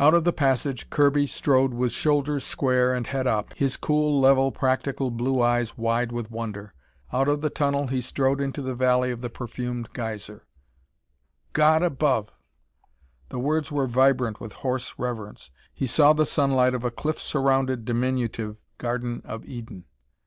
Out of the passage Kirby strode with shoulders square and head up, his cool, level, practical blue eyes wide with wonder. Out of the tunnel he strode into the valley of the perfumed geyser. "God above!" The words were vibrant with hoarse reverence. He saw the sunlight of a cliff surrounded diminutive Garden of Eden.